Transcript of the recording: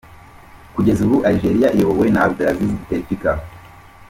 Kugeza ubu Algeria iyobowe na Abdelaziz Bouteflika.